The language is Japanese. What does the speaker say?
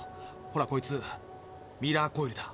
ほらこいつミラーコイルだ。